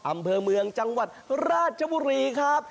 อำเภอเมืองจังหวัดราชบุรีครับ